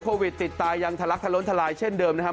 ติดตายังทะลักทะล้นทลายเช่นเดิมนะครับ